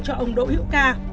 cho ông đỗ hiệu ca